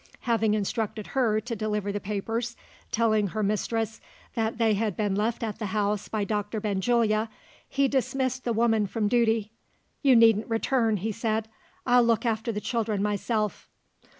Having instructed her to deliver the papers telling her mistress that they had been left at the house by Doctor Benjulia he dismissed the woman from duty. "You needn't return," he said; "I'll look after the children myself."